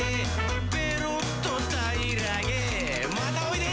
「ペロっとたいらげまたおいで」